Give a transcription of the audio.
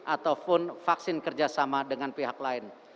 ataupun vaksin kerjasama dengan pihak lain